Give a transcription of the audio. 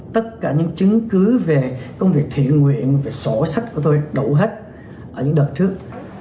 tất cả những chứng cứ về công việc thiện nguyện về sổ sách của tôi đổ hết ở những đợt trước